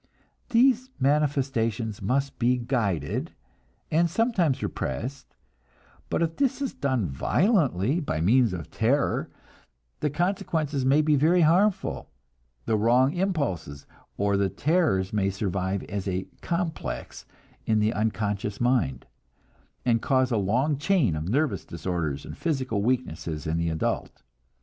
These manifestations must be guided, and sometimes repressed; but if this is done violently, by means of terror, the consequences may be very harmful the wrong impulses or the terrors may survive as a "complex" in the unconscious mind, and cause a long chain of nervous disorders and physical weaknesses in the adult.